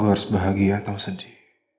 harus bahagia atau sedih